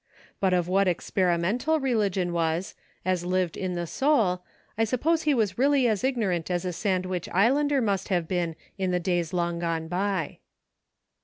But of what experimental religion was, as lived in the soul, I suppose he was really as ignorant as a Sandwich Islander must have been in the days long gone by.